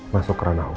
masuk ke ranah hukum